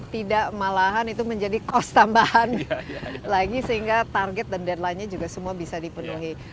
tidak malahan itu menjadi cost tambahan lagi sehingga target dan deadline nya juga semua bisa dipenuhi